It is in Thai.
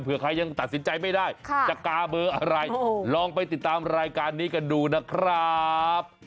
เพื่อใครยังตัดสินใจไม่ได้จะกาเบอร์อะไรลองไปติดตามรายการนี้กันดูนะครับ